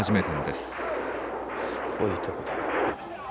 すごいとこだ。